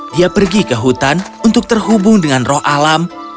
dia pergi ke hutan untuk terhubung dengan roh alam